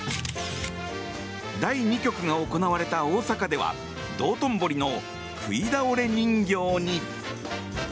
第２局が行われた大阪では道頓堀のくいだおれ人形に。